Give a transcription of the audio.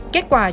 kết quả cho